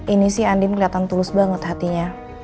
ini sih andien keliatan tulus banget hatinya